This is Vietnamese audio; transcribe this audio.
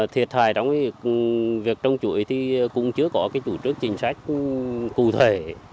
thiệt hại trong việc trồng chuối thì cũng chưa có chủ trức chính sách cụ thể